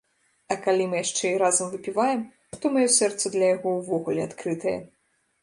А калі мы яшчэ і разам выпіваем, то маё сэрца для яго ўвогуле адкрытае.